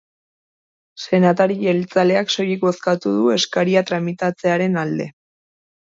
Senatari jeltzaleak soilik bozkatu du eskaria tramitatzearen alde.